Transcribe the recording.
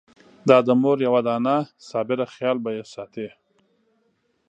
دا د مور یوه دانه صابره خېال به يې ساتي!